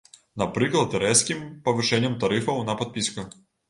Напрыклад, рэзкім павышэннем тарыфаў на падпіску.